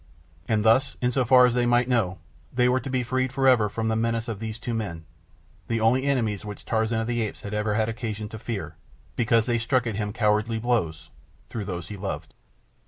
And thus, in so far as they might know, they were to be freed for ever from the menace of these two men—the only enemies which Tarzan of the Apes ever had had occasion to fear, because they struck at him cowardly blows, through those he loved.